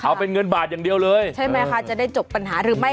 เอาเป็นเงินบาทอย่างเดียวเลยใช่ไหมคะจะได้จบปัญหาหรือไม่